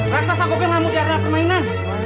raksasa kuken lamuk di arena permainan